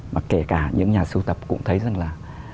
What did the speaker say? mà kể cả những nhà sưu tập cũng thấy rằng là